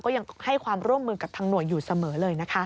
ยังให้ความร่วมมือกับทางหน่วยอยู่เสมอเลยนะคะ